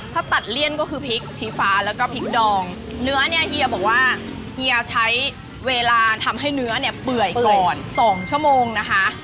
ถ้าตัดเลี่ยนก็คือพริกชี้ฟ้าแล้วก็พริกดองเนื้อเนี่ยเฮียบอกว่าเฮียใช้เวลาทำให้เนื้อเนี่ยเปื่อยก่อน๒ชั่วโมงนะคะ